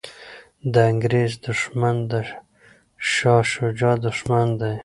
د انګریز دښمن د شاه شجاع دښمن دی.